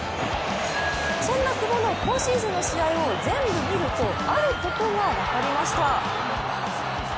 そんな久保の今シーズンの試合をぜんぶ見るとあることが分かりました。